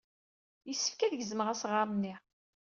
Yessefk ad gezmeɣ asɣar-nni.